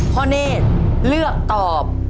พ่อเน่นเลือกตอบ